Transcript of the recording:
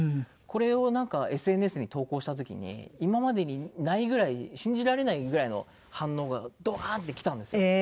これをなんかＳＮＳに投稿した時に今までにないぐらい信じられないぐらいの反応がドカーンってきたんですよ。